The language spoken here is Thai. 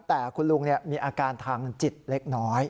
แต่คุณลุงมีอาการทางจิตเล็กน้อย